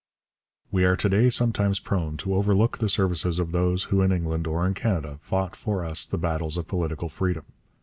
We are to day sometimes prone to overlook the services of those who in England or in Canada fought for us the battles of political freedom.